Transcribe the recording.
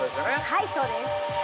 ◆はい、そうです。